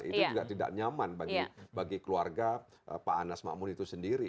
itu juga tidak nyaman bagi keluarga pak anas makmun itu sendiri